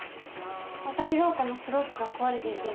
わたりろうかのスロープが壊れていて。